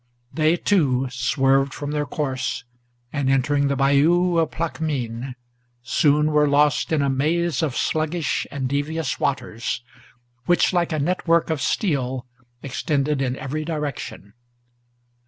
They, too, swerved from their course; and, entering the Bayou of Plaquemine, Soon were lost in a maze of sluggish and devious waters, Which, like a network of steel, extended in every direction.